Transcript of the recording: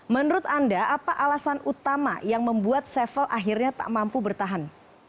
menurut anda apa alasan utama yang membuat sevel akhirnya tak mampu bertahan